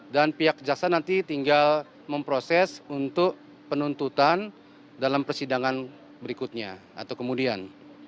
pihak jaksa nanti tinggal memproses untuk penuntutan dalam persidangan berikutnya atau kemudian